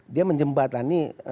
dia menjembat lah nih